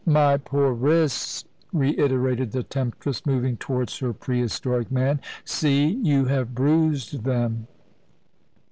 "My poor wrists!" reiterated the temptress, moving towards her pre historic man; "see you have bruised them."